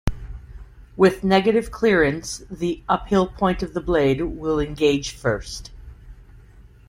With negative clearance the uphill point of the blade will engage first.